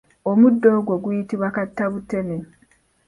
Omuddo ogwo guyitibwa kattabuteme.